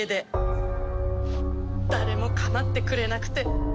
誰も構ってくれなくて。